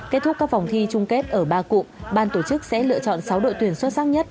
kết thúc các phòng thi trung kết ở ba cụ ban tổ chức sẽ lựa chọn sáu đội tuyển xuất sắc nhất